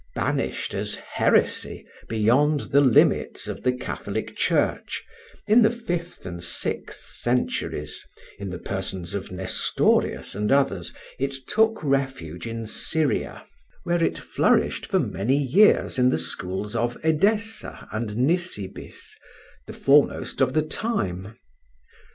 Banished as heresy beyond the limits of the Catholic Church, in the fifth and sixth centuries, in the persons of Nestorius and others, it took refuge in Syria, where it flourished for many years in the schools of Edessa and Nisibis, the foremost of the time.